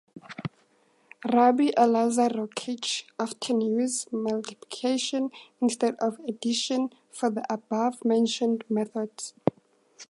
Rabbi Elazar Rokeach often used multiplication, instead of addition, for the above-mentioned methods.